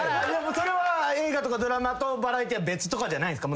それは映画とかドラマとバラエティーは別とかじゃないんですか？